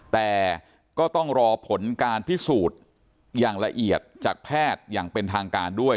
แต่ก็ต้องรอผลการพิสูจน์อย่างละเอียดจากแพทย์อย่างเป็นทางการด้วย